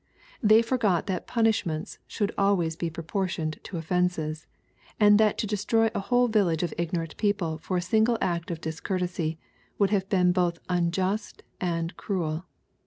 They forgot that punishments should always be proportioned to offences, and that to destroy a whole village of ignorant people for a single act of discourtesy, would have been both unjust and cruel.